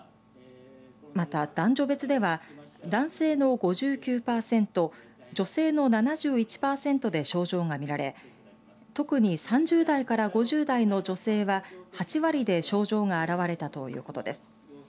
また、男女別では男性の５９パーセント女性の７１パーセントで症状がみられ特に３０代から５０代の女性は８割で症状が現れたということです。